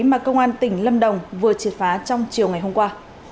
mà công an tỉnh lâm đồng vừa triệt phá trong chiều ngày hôm qua